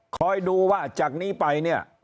คอยดูว่าจากนี้ไปเนี่ย